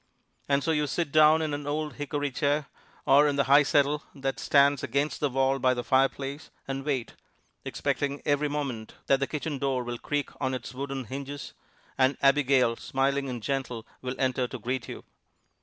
And so you sit down in an old hickory chair, or in the high settle that stands against the wall by the fireplace, and wait, expecting every moment that the kitchen door will creak on its wooden hinges, and Abigail, smiling and gentle, will enter to greet you.